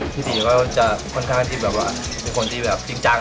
พี่ดีก็จะค่อนข้างที่เป็นคนที่จริงจัง